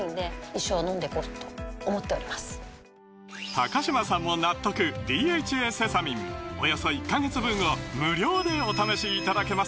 高嶋さんも納得「ＤＨＡセサミン」およそ１カ月分を無料でお試しいただけます